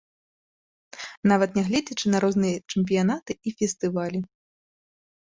Нават нягледзячы на розныя чэмпіянаты і фестывалі.